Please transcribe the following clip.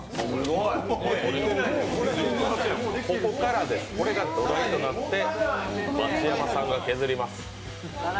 ここからです、これが土台となって町山さんが削ります。